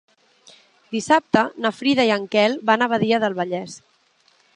Dissabte na Frida i en Quel van a Badia del Vallès.